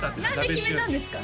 何で決めたんですか？